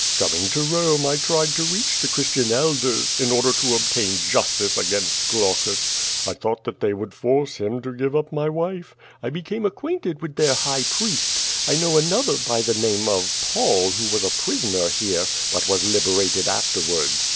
Coming to Rome I tried to reach the Christian elders, in order to obtain justice against Glaucus. I thought that they would force him to give up my M'ife. I became acquainted with their High Priest. I know tt t 364 QUO VADIS. another by the name of Paul, who was a prisoner here, bnt was liberated afterwards.